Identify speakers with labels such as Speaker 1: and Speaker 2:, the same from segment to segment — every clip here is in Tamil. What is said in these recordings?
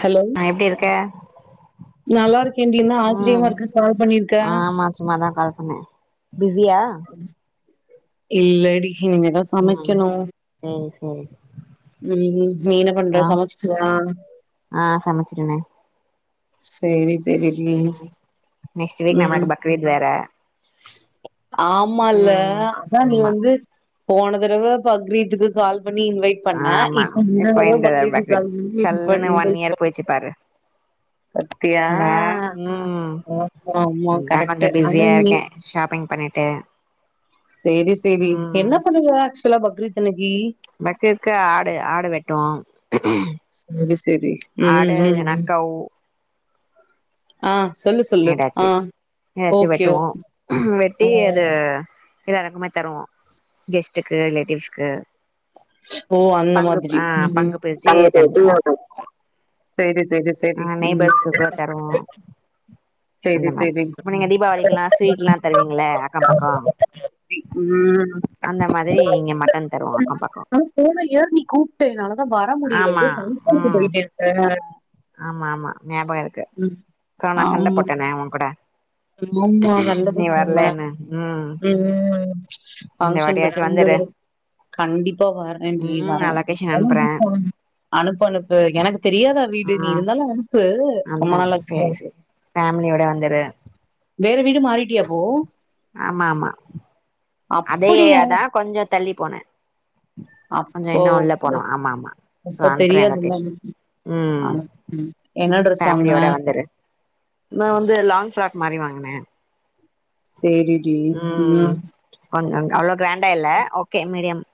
Speaker 1: ஹலோ
Speaker 2: ஆ எப்டிருக்க
Speaker 1: நல்லா இருக்கேன்டி என்ன ஆச்சரியமா
Speaker 2: ம்
Speaker 1: இருக்குன்னு கால் பண்ணிருக்க
Speaker 2: ஆமா சும்மாதா கால் பண்ணே பிஸியா
Speaker 1: இல்லடி இனிமேதா
Speaker 2: ம்
Speaker 1: சமைக்கணு
Speaker 2: செரி செரி
Speaker 1: ம் நீ என்ன பண்ற சமச்சிட்டியா
Speaker 2: ஆ சமச்சிட்டனே
Speaker 1: சேரி செரிடி ம்
Speaker 2: வீட் வேற
Speaker 1: ஆமா இல்ல
Speaker 2: ம்
Speaker 1: அதா நீ
Speaker 2: ஆமா
Speaker 1: வந்து போன தடவ பக்ரீத்துக்கு கால் பண்ணி இன்வைட் பண்ண
Speaker 2: ஆமா
Speaker 1: இப்ப இந்த
Speaker 2: இப்போ
Speaker 1: தடவ பக்ரீத்துக்கு கால் பண்ணி இன்வ இன்வைட் ப
Speaker 2: போயிடுச்சி பாரு நா ம்
Speaker 1: ஆமா ஆமா
Speaker 2: அதா
Speaker 1: கரெக்ட்டு
Speaker 2: கொஞ்சம்
Speaker 1: ஆனா
Speaker 2: பிஸியா இருக்கே ஷாப்பிங் பண்ணிட்டு
Speaker 1: செரி செரி
Speaker 2: ம்
Speaker 1: என்ன பண்ணுவ ஆக்சுவலா பக்ரீத் அன்னைக்கு
Speaker 2: பக்ரீத்துக்கு ஆடு ஆடு வெட்டுவோம்
Speaker 1: செம டேஸ்
Speaker 2: ஆடு இல்லனா கௌவ்
Speaker 1: ஆ சொல்லு சொல்லு
Speaker 2: எதாச்சி
Speaker 1: ஆ
Speaker 2: எதாச்சி
Speaker 1: ஓகே ஓகே
Speaker 2: வெட்டுவோம்
Speaker 1: ஓ
Speaker 2: வெட்டி இது எல்லாருக்குமே தருவோம் கெஸ்ட்டுக்கு ரிலேட்டிவ்ஸ்கு
Speaker 1: ஓ அந்த மாதிரி ம் ம்
Speaker 2: பங்கு பிரிச்சு தந்துருவோ
Speaker 1: [inaudible] செரி செரி செ சேரி
Speaker 2: ஆ நெய்பர்ஸ்க்குகுலா தருவோம்
Speaker 1: சேரி
Speaker 2: அந்த மாரி
Speaker 1: சேரி ம்
Speaker 2: இப்ப நீங்க தீபாவளிக்குலா ஸ்வீட்லா தருவீங்க இல்ல அக்கம் பக்கம் அந்த மாதிரி இங்க மட்டன் தருவோம் அக்கம் பக்கம்
Speaker 1: ஆனா போன இயர் நீ கூப்ட்ட என்னால தா வர முடியில
Speaker 2: ஆமா
Speaker 1: எதோ பங்ஷனுக்கு
Speaker 2: ம்
Speaker 1: போயிட்டே ஆ
Speaker 2: ஆமா ஆமா ஞாபகம் இருக்கு கொர நா சண்ட
Speaker 1: ஆமா
Speaker 2: போட்டனே ஓன் கூட
Speaker 1: ஆமா சண்ட
Speaker 2: நீ
Speaker 1: போட்டே இல்ல
Speaker 2: வரலன்னு
Speaker 1: ம் ம்
Speaker 2: இந்த
Speaker 1: பங்க்ஷன்
Speaker 2: வாட்டியாச்சு
Speaker 1: போய்ட்டாலு இங்க
Speaker 2: வந்துரு
Speaker 1: வரும் கண்டிப்பா வரன் டி
Speaker 2: ம் நா
Speaker 1: வரன்
Speaker 2: லொகேஷன்
Speaker 1: [inaudible]
Speaker 2: அனுப்புறே
Speaker 1: அனுப்பு அனுப்பு எனக்கு தெரியாதா வீடு நீ
Speaker 2: ம்
Speaker 1: இருந்தாலும் அனுப்பு ரொம்ப
Speaker 2: அதா
Speaker 1: நாளா ஆச்சில்ல
Speaker 2: சேரி சேரி ஃபேமிலியோட வந்துரு
Speaker 1: வேற வீடு மாறிட்டியா இப்போ
Speaker 2: ஆமா ஆமா அதே ஏரியாதா கொஞ்சம் தள்ளி போன கொஞ்சம்
Speaker 1: அப்போ
Speaker 2: இன்னும் உள்ள போனும் ஆமா ஆமா தோ
Speaker 1: அப்ப
Speaker 2: அனுப்பறன்
Speaker 1: தெரியாதுல்ல
Speaker 2: லொக்கேஷன் ம்
Speaker 1: ஆ ம் என்ன ட்ரெஸ் வாங்குன
Speaker 2: ஃபேமிலியோட வந்துரு நா வந்து லாங் ஃராக் மாதிரி வாங்கினேன்
Speaker 1: சேரிடி
Speaker 2: ம் ஒ அங்கங்க அவ்ளோ கிராண்டா இல்ல ஓகே மீடியம்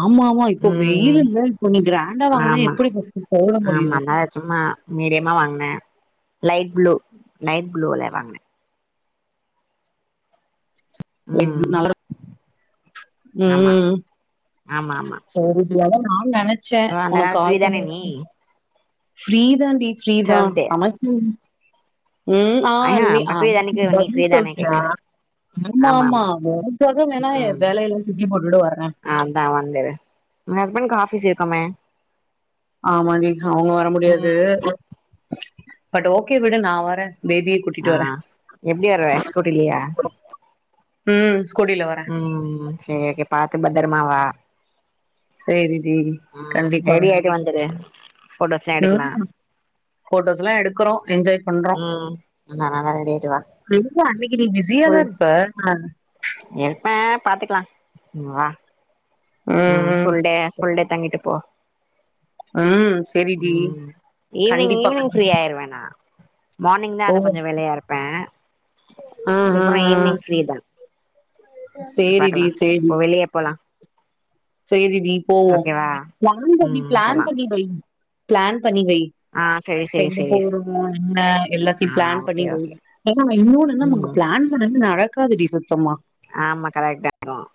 Speaker 1: ஆமா ஆமா இப்போ வெயில்
Speaker 2: ம்
Speaker 1: இல்ல இப்ப நீ கிராண்டா வாங்கினா
Speaker 2: ஆமா
Speaker 1: எப்படி ஃபர்ஸ்ட் போட
Speaker 2: ஆமா
Speaker 1: முடியும்
Speaker 2: அதா சும்மா மீடியமா வாங்கினேன் லைட் ப்ளூ லைட் ப்ளூல வாங்கினேன்
Speaker 1: லைட்
Speaker 2: ம்
Speaker 1: ப்ளு நல்லா
Speaker 2: ஆமா
Speaker 1: ம்
Speaker 2: ஆமா ஆமா
Speaker 1: சேரி பிரியா அதான் நானும்
Speaker 2: சோ
Speaker 1: நெனச்சேன்
Speaker 2: அந்த
Speaker 1: உனக்கு
Speaker 2: நாள் ஃப்ரீ
Speaker 1: கால்
Speaker 2: தானே
Speaker 1: பண்ணனு
Speaker 2: நீ
Speaker 1: ஃப்ரீ தாண்டி ஃப்ரீதான்
Speaker 2: தேர்ஸ்டே
Speaker 1: சமைக்கனும் ம் ஆஹ்
Speaker 2: ஆஹா
Speaker 1: நீ
Speaker 2: பக்ரீத் அன்னைக்கு நீ ஃப்ரீ
Speaker 1: பதில்
Speaker 2: தானே
Speaker 1: சொல்றியா
Speaker 2: கேக்குறே
Speaker 1: ஆமா ஆமா உனக்காக வேணா வேலைய எல்லாம் தூக்கி போட்டுட்டு வர்ரேன்
Speaker 2: அதான் வந்துரு உன் ஹஸ்பண்ட்க்கு ஆஃபீஸ் இருக்குமே
Speaker 1: ஆமா டி அவங்க வர முடியாது
Speaker 2: ம்
Speaker 1: பட் ஓகே விடு நா வரேன் பேபிய
Speaker 2: ஆ
Speaker 1: கூட்டிட்டு வரே
Speaker 2: எப்டி வருவ ஸ்கூட்டிலயா
Speaker 1: ம் ஸ்கூட்டில வரேன்
Speaker 2: ம் சேரி பாத்து பத்திரமாவா
Speaker 1: சேரி டி
Speaker 2: ம்
Speaker 1: கண்டிப்பா
Speaker 2: ரெடி ஆயிட்டு வந்துரு போட்டோஸ்லா எடுக்கலா
Speaker 1: ம் போட்டோஸ்லாம் எடுக்குறோம் என்ஜாய் பண்றோம்
Speaker 2: ம் நா நல்லா ரெடி ஆயிட்டு வா
Speaker 1: எங்க அன்னைக்கு நீ பிஸியாதான் இருப்ப
Speaker 2: இருப்பேன் பாத்துக்கலாம் நீ வா ம் ஃபுல் டே ஃபுல் டே தங்கிட்டு போ
Speaker 1: ம் சேரிடி
Speaker 2: ம் ஈவினிங்
Speaker 1: கண்டிப்பா
Speaker 2: ஈவினிங் ஃப்ரீ ஆயிருவேன் நா மார்னிங் தா அத
Speaker 1: போவோ
Speaker 2: கொஞ்சோ வேலையா இருப்பேன்
Speaker 1: ஆ ஆ
Speaker 2: அதுக்கப்றோ
Speaker 1: ஆ
Speaker 2: ஈவினிங் ஃப்ரீ தான் சரி
Speaker 1: சேரிடி
Speaker 2: பாக்கலா
Speaker 1: சேரி
Speaker 2: இப்போ வெளிய போலாம்
Speaker 1: சேரிடி போவோம் பிளான் பண்ணி
Speaker 2: ம்
Speaker 1: பிளான்
Speaker 2: போலா
Speaker 1: பண்ணி வை பிளான் பண்ணி வை
Speaker 2: ஆ செரி செரி
Speaker 1: எங்க
Speaker 2: செரி
Speaker 1: போறோ என்ன எல்லாத்தையு
Speaker 2: ஆ
Speaker 1: பிளான்
Speaker 2: ஓகே
Speaker 1: பண்ணி வை
Speaker 2: ஓகே
Speaker 1: ஆனா இன்னொன்னு நமக்கு
Speaker 2: ம்
Speaker 1: பிளான் பண்ணது நடக்காது டி சுத்தமா
Speaker 2: ஆமா கரெக்ட்டு தா அதும்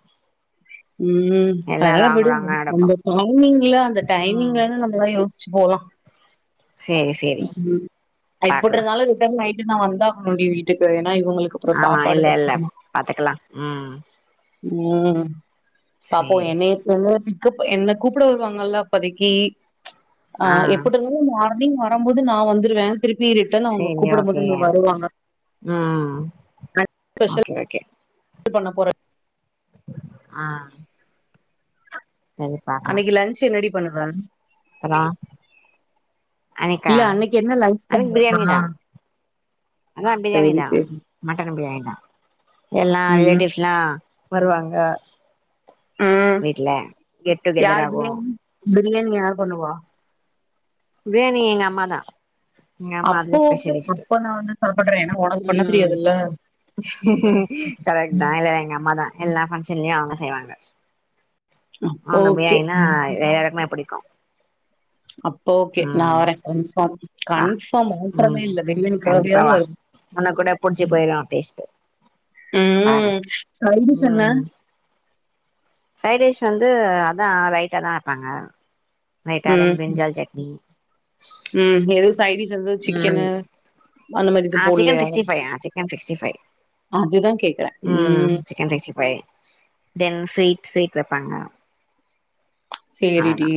Speaker 1: ம் அதனால
Speaker 2: ராங்
Speaker 1: விடு
Speaker 2: ராங்கா நடக்கு
Speaker 1: நம்ம டைமிங்ல அந்த
Speaker 2: ம்
Speaker 1: டைமிங்ல நம் ம யோசிச்சி போலா
Speaker 2: சேரி சேரி பாக்கலா
Speaker 1: எப்ட்ருந்தாலு ரிட்டன் நைட் நா வந்தாகனோ டி வீட்டுக்கு ஏன்னா இவங்களு
Speaker 2: ஆமா இல்ல இல்ல பாத்துக்கலா ம்
Speaker 1: ம் பாப்போ
Speaker 2: சேரி
Speaker 1: ஏற்கனவே என்ன கூப்ட வருவாங்கல்ல அப்பதிக்கி அ
Speaker 2: ஆ
Speaker 1: எப்புட் இருந் மார்னிங் வரும்போது நா வந்துருவேன் திருப்பி ரிட்டர்ன் அவுங்க
Speaker 2: சேரி
Speaker 1: கூப்பட
Speaker 2: ஓகே
Speaker 1: மட்டும் இங்க வருவாங்க [inaudible]
Speaker 2: ம்
Speaker 1: ஸ்பெஷல்
Speaker 2: ஓகே ஓகே
Speaker 1: த்து பண்ண போற
Speaker 2: அ
Speaker 1: அன்னிக்கி லஞ்சு என்ன டி பண்ணுவ
Speaker 2: அப்பறோ அன்னிக்கா
Speaker 1: இல்ல அன்னைக்கு என்ன லன்ச்
Speaker 2: அன்னிக்கி
Speaker 1: பண்ற
Speaker 2: பிரியாணி
Speaker 1: ஆ
Speaker 2: தா அதா பிரியாணி
Speaker 1: சேரி
Speaker 2: தான்
Speaker 1: சேரி
Speaker 2: மட்டன் பிரியாணி தா எல்லா
Speaker 1: ம்
Speaker 2: ரிலேட்டிவ்ஸ்ல்லா வருவாங்க
Speaker 1: ம்
Speaker 2: வீட்ல கெட் டுகெதர் ஆகு
Speaker 1: யார்குன்னா பிரியாணி யார் பண்ணுவா
Speaker 2: பிரியாணி எங்க அம்மா தா எங்க அம்மா
Speaker 1: அப்போ
Speaker 2: அதுல
Speaker 1: ஓகே
Speaker 2: ஸ்பெஷலிஸ்ட்
Speaker 1: அப்ப நா சாப்புடுறேன் ஏன்னா ஒனக்கு பண்ண
Speaker 2: ம்
Speaker 1: தெரியாதுல்ல
Speaker 2: கரெக்ட் தா
Speaker 1: ம்.
Speaker 2: இல்ல எங்க அம்மா தா எல்லா ஃபங்க்ஷன்லயு அவுங்க செய்வாங்க
Speaker 1: அப்போ
Speaker 2: அவுங்க
Speaker 1: ஓகே
Speaker 2: பிரியாணின்னா
Speaker 1: ம்.
Speaker 2: எல்லாருக்குமே புடிக்கும்
Speaker 1: அப்போ ஓகே நா வர கன்ஃபாம்
Speaker 2: வா
Speaker 1: கன்ஃபாம் மாற்றமே இல்ல பிரியாணிக்காகயாது வருவ்
Speaker 2: ஒனக் கூட புடுச்சு போயிரு டேஸ்ட்டு பாரு
Speaker 1: ம்ம் சைடிஷ் என்ன
Speaker 2: சைடிஷ் வந்து அதா ரைட்டா தா வெப்பாங்க ரைட்டா தென்
Speaker 1: ம்
Speaker 2: பிரிஞ்சால் சட்னி
Speaker 1: ம் எதுவு சைடிஷ் எதுவு
Speaker 2: ம்
Speaker 1: சிக்கனு அந்த மாரி எது
Speaker 2: ஆ சிக்கன்
Speaker 1: போல்லையா
Speaker 2: சிக்ஸ்டி ஃபைவ் ஆ சிக்கன் சிக்ஸ்டி ஃபைவ்
Speaker 1: அதுதா கேக்குற ம்
Speaker 2: சிக்கன் ரைஸு போயே தென் ஸ்வீட்ஸ் ஸ்வீட் வெப்பாங்க
Speaker 1: சேரி டி
Speaker 2: அவ்ளதா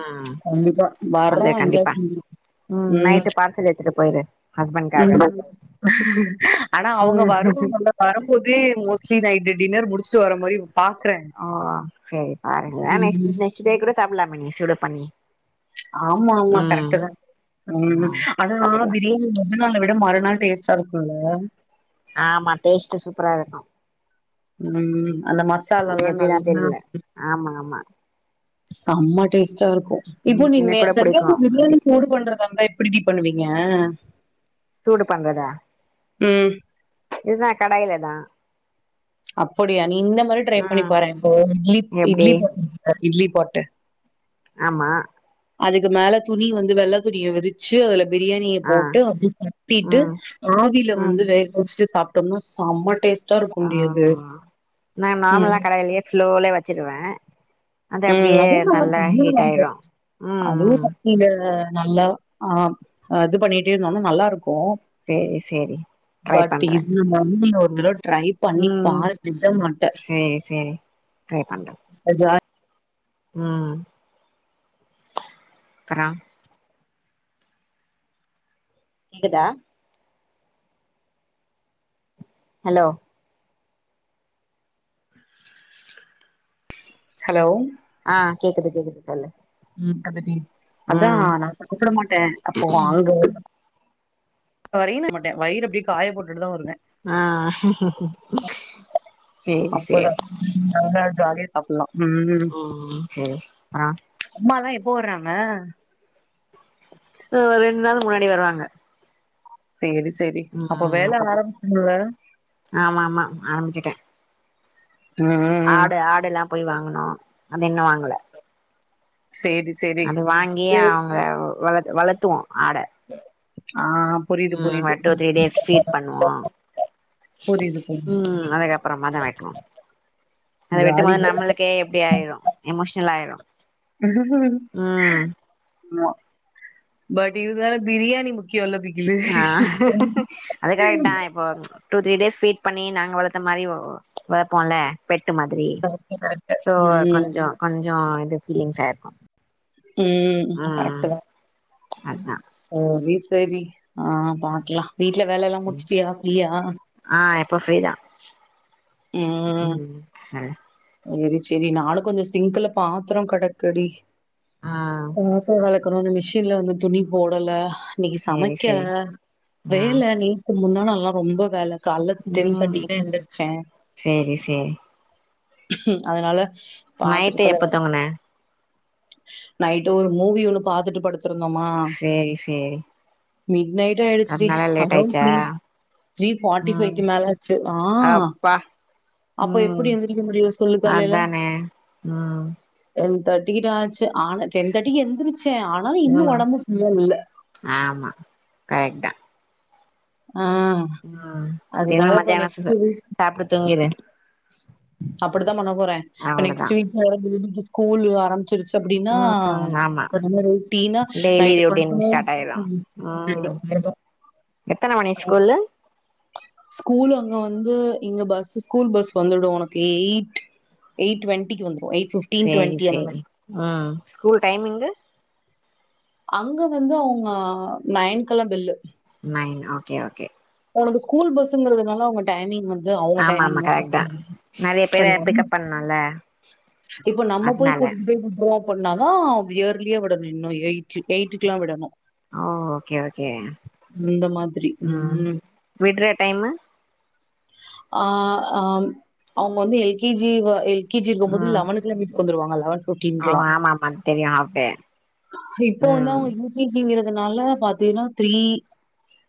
Speaker 2: ம்
Speaker 1: கண்டிப்பா வர்றோ
Speaker 2: வந்துரு
Speaker 1: என்ஜாய்
Speaker 2: கண்டிப்பா
Speaker 1: பண்றோ ம்
Speaker 2: நைட்டு பார்சல் எடுத்துட்டு போயிரு ஹஸ்பண்ட்காக
Speaker 1: [inaudible] ஆனா அவுங்க
Speaker 2: ம்
Speaker 1: வருவாங்கல்ல வரம்போதே மோஸ்ட்லி நைட்டு டின்னர் முடுச்சுட்டு வர மாரி பாக்ற
Speaker 2: ஆ சேரி பாருங்க நெக்ஸ் நெக்ஸ்ட்டே கூட சாப்புல்லாமா நீ சூடு பண்ணி
Speaker 1: ஆமா ஆமா
Speaker 2: ம்
Speaker 1: கரெக்ட்டு தா
Speaker 2: ஆ
Speaker 1: ம் ஆனா
Speaker 2: பாத்துக்கலா
Speaker 1: பிரியாணில முன்னாள்ள விட மறுநாள் டேஸ்ட்டா இருக்குல்ல
Speaker 2: ஆமா டேஸ்ட்டு சூப்பரா இருக்கு
Speaker 1: ம் அந்த
Speaker 2: அது
Speaker 1: மசாலால்லா
Speaker 2: எப்டிதா
Speaker 1: நல்லா
Speaker 2: தெரியல ஆமா ஆமா
Speaker 1: செம்ம டேஸ்ட்டா இருக்கு இப்போ
Speaker 2: ம்
Speaker 1: நீ
Speaker 2: எனக்கு
Speaker 1: மே
Speaker 2: கூட புடிக்கு
Speaker 1: செகண்டு
Speaker 2: அப்டி
Speaker 1: பிரியாணி சூடு பண்றதா இருந்தா எப் எப்டி டி பண்ணுவீங்க
Speaker 2: சூடு பண்றதா
Speaker 1: ம்.
Speaker 2: இதுதா கடாயில தா
Speaker 1: அப்டியா நீ இந்த மாரி ட்ரை பண்ணி
Speaker 2: ம்
Speaker 1: பாரே இப்போ இட்லிப்
Speaker 2: எப்டி
Speaker 1: இட்லி பாட் இருக்குல்ல இட்லி பாட்டு
Speaker 2: ஆமா
Speaker 1: அதுக்கு மேல துணி வந்து வெள்ள துணிய விருச்சு அதுலப் பிரியாணிய
Speaker 2: ஆ
Speaker 1: போட்டு அப்டி கட்டிட்டு
Speaker 2: ம்
Speaker 1: ஆவில வந்து
Speaker 2: ம்
Speaker 1: வேக முடுச்சுட்டு சாப்டோம்னா செம்ம டேஸ்
Speaker 2: ஆமா நா
Speaker 1: ம்.
Speaker 2: நாமல்லா கடையிலயே ஃப்லோலயே வெச்சுருவ அது
Speaker 1: ம்.
Speaker 2: அப்டியே
Speaker 1: அதுவும்
Speaker 2: நல்லா ஹீட் ஆயிரு ம் ம்
Speaker 1: நீங்க நல்லா ஆம் அது பண்ணிட்டே இருந்தோனா நல்லா இருக்கு
Speaker 2: சேரி சேரி ட்ரை
Speaker 1: பட்
Speaker 2: பண்றே
Speaker 1: இது [inaudible] ஒரு தடவ ட்ரைப் பண்ணி
Speaker 2: ம்
Speaker 1: பாரு விட மாட்ட
Speaker 2: சேரி சேரி ட்ரை பண்றே
Speaker 1: என்ஜாய்
Speaker 2: ம் இக்கரா கேக்குதா ஹலோ
Speaker 1: ஹலோ
Speaker 2: ஆ கேக்குது கேக்குது சொல்லு
Speaker 1: ம் அந்த டேஸ்ட் அதா
Speaker 2: ம்
Speaker 1: நா சாப்புட மாட்ட அப்போ வாங்கு வரின மாட்ட வயிற அப்டியே காய போட்டுட்டுதா வருவ
Speaker 2: ஆ சேரி சேரி
Speaker 1: அப்பதா ஜாலியா சாப்புல்லா ம்
Speaker 2: ம் சேரி அப்றோ
Speaker 1: அம்மாலா எப்போ வர்றாங்க
Speaker 2: அ ஒரு ரெண் நாள் முன்னாடி வருவாங்க
Speaker 1: சேரி சேரி அப்ப
Speaker 2: ம்
Speaker 1: வேல
Speaker 2: அப்பதா
Speaker 1: ஆரம்பிச்சுங்களா
Speaker 2: ஆமா ஆமா ஆரம்பிச்சுட்ட
Speaker 1: ம் ம்
Speaker 2: ஆடு ஆடு எல்லாம் போய் வாங்கனு அது இன்னு வாங்கல
Speaker 1: சேரி சேரி
Speaker 2: அது வாங்கியே அவங்க வளத்து வளத்துவோ ஆட
Speaker 1: ஆம்
Speaker 2: ம் ஒரு டூ த்ரீ டேஸ் ஃபீட் பண்ணுவோ
Speaker 1: புரியுது புரியுது
Speaker 2: ம் அதுக்கப்பறமாதா வெட்டுவோ அத வெட்டும் போது
Speaker 1: ஜாலிதா
Speaker 2: நம்மளுக் கே எப்டி ஆயிரு எமோஷனல் ஆயிரு ம்
Speaker 1: மா பட் இது வேற பிரியாணி மு க்ய இல்ல பிகிலு
Speaker 2: ஆ அது கரெக்டா இப்போ டூ த்ரீ டேஸ் ஃபீட் பண்ணி நாங்க வளத்த மாரி வளப்போல பெட்டு மாதிரி
Speaker 1: கரெக்ட் கரெக்ட்
Speaker 2: சோ
Speaker 1: ம்
Speaker 2: கொஞ்ச கொஞ்ச இது ஃபீலிங்ஸா இருக்கு
Speaker 1: ம் கரெக்ட்டுதா
Speaker 2: அதா
Speaker 1: செரி செரி ஆ பாக்கலா வீட்ல வேல எல்லா
Speaker 2: சேரி
Speaker 1: முடிச்சுட்டியா ஃப்ரியா
Speaker 2: ஆ எப்ப ஃப்ரீதா ம் சரி
Speaker 1: செரி செரி நானு கொஞ்ச சிங்க்குல பாத்திர கெடக்குடி
Speaker 2: ஆ
Speaker 1: பாத்தர வெளக்கணு இன்ன மிஷின்ல வந்து துணி போடல இன்னைக்கு
Speaker 2: சேரி
Speaker 1: சமைக்க
Speaker 2: சேரி ஆ
Speaker 1: வேல நேத்து முந்தானாள்லா ரொம்ப வேல காலல டென்
Speaker 2: ம்
Speaker 1: தேட்டிக்குதா எந்திருச்ச
Speaker 2: சேரி சேரி
Speaker 1: அதனால
Speaker 2: நைட்டு
Speaker 1: பாத்தரத்துல
Speaker 2: எப்ப தூங்குன
Speaker 1: நைட்டு ஒரு மூவி ஒண்ணு பாத்துட்டு படுத் துருந்தோமா
Speaker 2: சேரி சேரி
Speaker 1: மிட் நைட் ஆயிடுச்சுடி
Speaker 2: அதனால லேட்
Speaker 1: அரவுன்ட்
Speaker 2: ஆயிச்சா
Speaker 1: த்ரீ த்ரீ ஃபாட்டி
Speaker 2: ம்
Speaker 1: ஃபைவ்க்கு மேல ஆச்சு ஆ
Speaker 2: அப்பா
Speaker 1: அப்ப
Speaker 2: ம்
Speaker 1: எப்புடி எந் திரிக்க முடியு சொல்லு காலைல
Speaker 2: அதானே ம்
Speaker 1: டென் தேட்டி கிட்ட ஆச்சு ஆனா டென் தேட்டிக்கு எந்திருச்சே ஆனாலு இன்னு
Speaker 2: ம்
Speaker 1: ஒடம்பு ஒன்னு முல்ல
Speaker 2: ஆமா கரெக்ட் தா
Speaker 1: ஆ
Speaker 2: அ திரும
Speaker 1: அதனால இப்ப
Speaker 2: மத்தியான
Speaker 1: நெக்ஸ்ட்
Speaker 2: ச
Speaker 1: வீக்
Speaker 2: சாப்ட்டு தூங்கிரு
Speaker 1: அப்படிதா பண்ண போறே இப்ப
Speaker 2: அவ்ளோதா
Speaker 1: நெக்ஸ்ட் வீக்கு இவுங்ளுக்கு ஸ்கூல் ஆரம்பிச்சிருச்சு அப்டின்னா
Speaker 2: ம் ஆமா
Speaker 1: இப்ப நம்ம ரொட்டினா
Speaker 2: டெய்லி
Speaker 1: நைட்
Speaker 2: ரொட்டீன்
Speaker 1: படுக்கனு
Speaker 2: ஸ்டார்ட் ஆயிரு
Speaker 1: ஓகேதா
Speaker 2: ம்
Speaker 1: வேறெதா
Speaker 2: எத்தன மணி ஸ்கூலு
Speaker 1: ஸ்கூலு அங்க வந்து இங்க பஸ் ஸ்கூல் பஸ் வந்துடு உனக்கு எயிட் எய்ட் டுவெண்டிக்கி வந்துரு எயிட் ஃபிஃப்டீன் டுவெண்டி அந்த மாரி
Speaker 2: ஆ ஸ்கூல் டைமிங்கு
Speaker 1: அங்க வந்து அவுங்க நெயன்கெல்லா பெல்லு
Speaker 2: நெயன் ஓகே ஒகே
Speaker 1: உனக்கு ஸ்கூல் பஸ்ஸுங்கறதுனால அவுங்க டைமிங் வந்து அவங்க
Speaker 2: ஆமாமா
Speaker 1: டைமிங் தான்
Speaker 2: கரெக்ட்தா நெறையா பேர
Speaker 1: பண்ணலாம்.
Speaker 2: பிக்கப் பண்ணுல்ல
Speaker 1: இப்ப நம்ம போய்
Speaker 2: அதனால
Speaker 1: கூட்டு போய் கூட்டு வருவோ அப்பண்ணாதா இயர்லியா விடணு இன்னு எயிட் எய்ட்டுக்லா விடணு
Speaker 2: ஆ ஓகே ஓகே
Speaker 1: இந்த மாதிரி.
Speaker 2: ம் விடற டைமு
Speaker 1: ஆ ஆ அவுங்க வந்து எல் கே ஜி வ எல் கே ஜி ங்கம் போது
Speaker 2: ம்
Speaker 1: லெவனுக்லா வீட்டுக்கு வந்ருவாங்க லெவன்
Speaker 2: ஓ
Speaker 1: ஃபிஃப்டீன்கெலா
Speaker 2: ஆமா ஆமா தெரியு ஹாஃப் டே
Speaker 1: இப்ப வந்து
Speaker 2: ம்
Speaker 1: அவுங்க யூ கே ஜி ங்கறதுனால பாத்தினா த்ரீ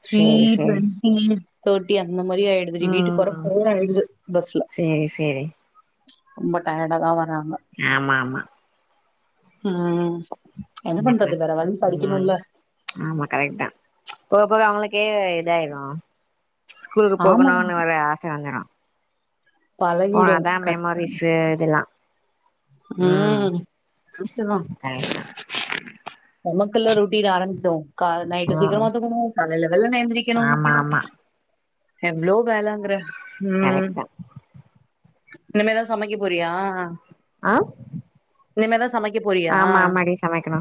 Speaker 1: த்ரீ
Speaker 2: சேரி
Speaker 1: ட்வெ
Speaker 2: சேரி
Speaker 1: உம் தேட்டி அந்த மாரி ஆயிடுதுடி வீட்டுக்கு வர
Speaker 2: ம்
Speaker 1: ஃபோர் ஆயிடுது பஸ்ல
Speaker 2: சேரி சேரி
Speaker 1: ரொம்ப டயர்டா தா வர்ராங்க
Speaker 2: ஆமா ஆமா
Speaker 1: உம் என்ன பண்றது
Speaker 2: எனக்குனது
Speaker 1: வேற வழி
Speaker 2: ம்
Speaker 1: படிக்கணுல்ல
Speaker 2: ஆமா கரெக்ட் தா போக போக அவுங்களுக்கே இதாயிடும் ஸ்கூலுக்கு
Speaker 1: ஆமா, ஆமா.
Speaker 2: போகணும்னு ஒரு ஆச வந்துரும்
Speaker 1: பழகிடும்.
Speaker 2: போனாதா
Speaker 1: கரெக்ட்.
Speaker 2: மெமோரிஸ் இதெல்லா
Speaker 1: உ வித்துரூ
Speaker 2: தாங்ஸ்னா
Speaker 1: நமக்குல்லா ரொட்டீன் ஆரம்பிக்கும் கா நைட்டு
Speaker 2: தா ம்
Speaker 1: சீக்ரமா தூங்கணு காலைல வெல்லனா எந்திரிக்கணு
Speaker 2: ஆ
Speaker 1: எவ்ளோ வேலங்ற உம்
Speaker 2: கரெக்ட் தா
Speaker 1: இனிமேதா சமைக்க போறியா
Speaker 2: ஆ
Speaker 1: இனிமே தான் சமைக்க போறியா?
Speaker 2: ஆமா ஆமாடி சமைக்கணு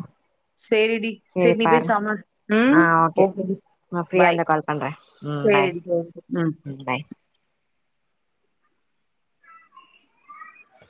Speaker 1: சரிடி.
Speaker 2: சேரி
Speaker 1: சரி நீ போய்
Speaker 2: பாரு
Speaker 1: சம ம்.
Speaker 2: ஆ ஓகே
Speaker 1: ஓகேடி.
Speaker 2: நா ஃப்ரீயா
Speaker 1: பாய்.
Speaker 2: இருந்தா கால் பண்றே உம் பாய்
Speaker 1: சரிடி. ஓகே. ம்.
Speaker 2: உம் பாய்